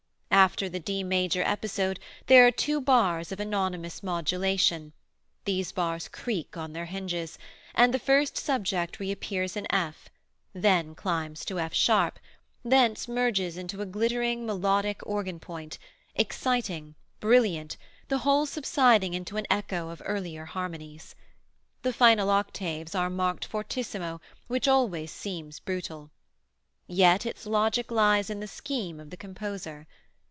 After the D major episode there are two bars of anonymous modulation these bars creak on their hinges and the first subject reappears in F, then climbs to F sharp, thence merges into a glittering melodic organ point, exciting, brilliant, the whole subsiding into an echo of earlier harmonies. The final octaves are marked fortissimo which always seems brutal. Yet its logic lies in the scheme of the composer.